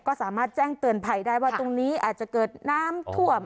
ก็สามารถแจ้งเตือนภัยได้ว่าตรงนี้อาจจะเกิดน้ำท่วม